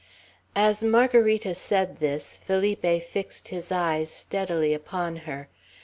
As Margarita said this, Felipe fixed his eyes steadily upon her.